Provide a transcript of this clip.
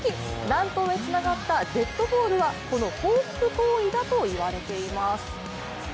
乱闘へつながったデッドボールはこの報復行為だと言われています。